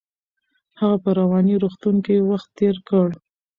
هغه په رواني روغتون کې وخت تیر کړ.